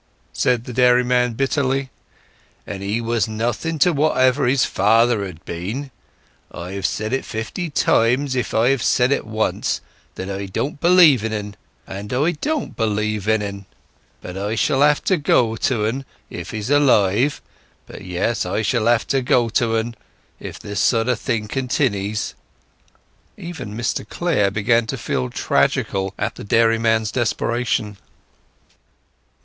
said the dairyman bitterly. "And he was nothing to what his father had been. I have said fifty times, if I have said once, that I don't believe in en; though 'a do cast folks' waters very true. But I shall have to go to 'n if he's alive. O yes, I shall have to go to 'n, if this sort of thing continnys!" Even Mr Clare began to feel tragical at the dairyman's desperation.